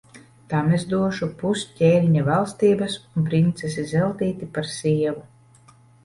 Tam es došu pus ķēniņa valstības un princesi Zeltīti par sievu.